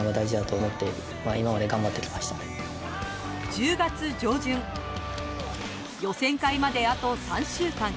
１０月上旬、予選会まであと３週間。